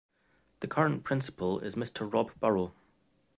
The current principal is Mr Rob Burrough.